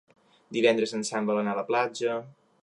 Divendres en Sam vol anar a la platja.